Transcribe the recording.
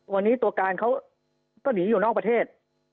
วันนี้ตัวการเขาก็หนีอยู่นอกประเทศ